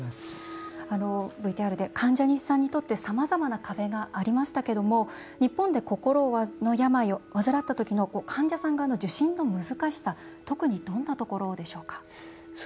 ＶＴＲで患者さんにとってさまざまな壁がありましたけれども日本で、心の病を患った時の患者さん側の受診の難しさ特に、どんなところでしょうか？